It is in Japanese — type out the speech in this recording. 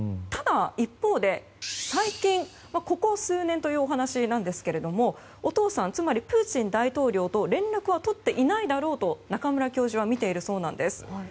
ただ、一方で最近ここ数年というお話ですがお父さん、つまりプーチン大統領と連絡は取っていないだろうと中村教授はみているそうです。